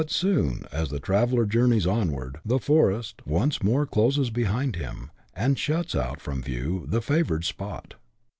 But soon, as the traveller journeys onward, the forest once more closes behind him, and shuts out from view the favoured spot.